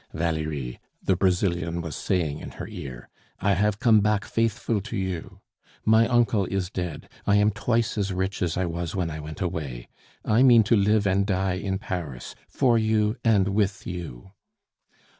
"Valerie," the Brazilian was saying in her ear, "I have come back faithful to you. My uncle is dead; I am twice as rich as I was when I went away. I mean to live and die in Paris, for you and with you."